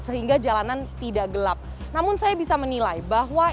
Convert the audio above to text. sehingga jalanan tidak gelap namun saya bisa menilai bahwa